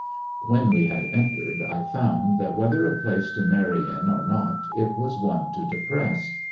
When we had entered I found that whether a place to marry in or not, it was one to depress.